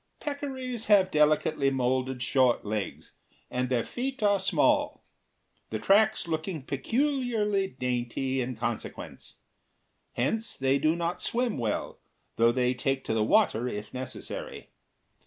Peccaries have delicately moulded short legs, and their feet are small, the tracks looking peculiarly dainty in consequence. Hence, they do not swim well, though they take to the water if necessary.